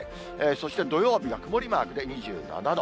そして土曜日が曇りマークで２７度。